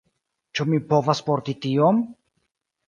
Ĉu mi povas porti tion?